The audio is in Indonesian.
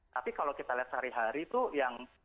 tapi kalau kita lihat sehari hari itu yang